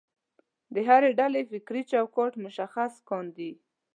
د هرې ډلې فکري چوکاټ مشخص کاندي.